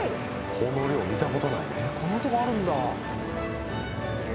こんなとこあるんだ。